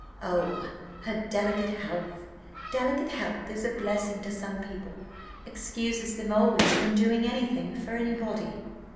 Oh! her delicate health delicate health is a blessing to some people excuses them always from doing anything for anybody."